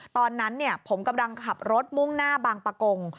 ตอนนั้นผมกำลังขับรถมุ่งหน้าบางปะกง